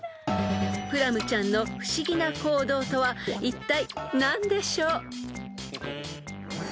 ［プラムちゃんの不思議な行動とはいったい何でしょう］